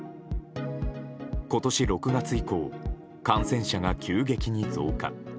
今年６月以降感染者が急激に増加。